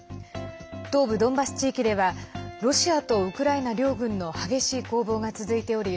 東部ドンバス地域ではロシアとウクライナ両軍の激しい攻防が続いており